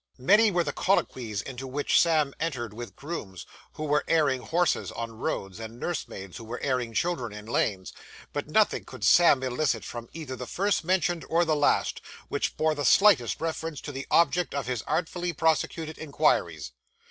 Many were the colloquies into which Sam entered with grooms who were airing horses on roads, and nursemaids who were airing children in lanes; but nothing could Sam elicit from either the first mentioned or the last, which bore the slightest reference to the object of his artfully prosecuted inquiries.